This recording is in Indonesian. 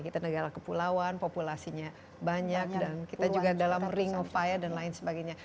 kita negara kepulauan populasinya banyak dan kita juga dalam ring of fire dan lain sebagainya